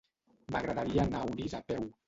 M'agradaria anar a Orís a peu.